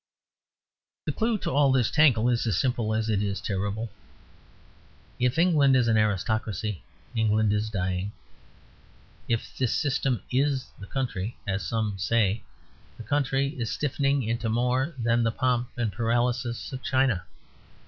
The clue to all this tangle is as simple as it is terrible. If England is an aristocracy, England is dying. If this system IS the country, as some say, the country is stiffening into more than the pomp and paralysis of China.